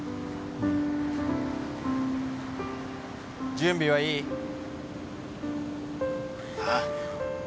準備はいい？ああ。